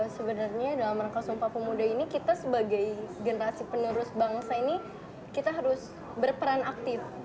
sebenarnya dalam rangka sumpah pemuda ini kita sebagai generasi penerus bangsa ini kita harus berperan aktif